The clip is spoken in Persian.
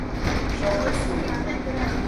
شاخه صعودی